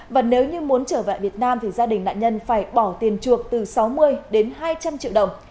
và nếu như muốn trở về việt nam thì gia đình nạn nhân phải bỏ tiền chuộc từ sáu mươi đến hai trăm linh triệu đồng